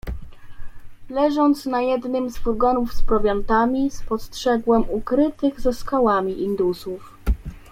"„Leżąc na jednym z furgonów z prowiantami, spostrzegłem ukrytych za skałami indusów."